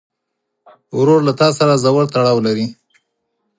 ورور له تا سره ژور تړاو لري.